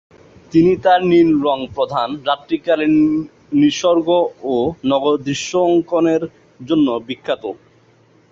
তিনি তার নীল রং-প্রধান রাত্রিকালীন নিসর্গ ও নগরদৃশ্যাঙ্কনের জন্য বিখ্যাত।